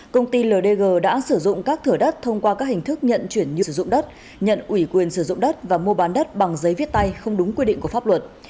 công ty ldg đã sử dụng các thửa đất thông qua các hình thức nhận chuyển như sử dụng đất nhận ủy quyền sử dụng đất và mua bán đất bằng giấy viết tay không đúng quy định của pháp luật